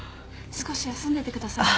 少し休んでいてください。